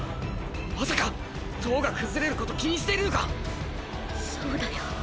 まさか塔が崩れること気にしてるのか⁉そうだよ